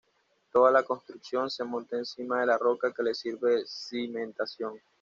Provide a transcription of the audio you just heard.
Toda la construcción se monta encima de la roca que le sirve de cimentación.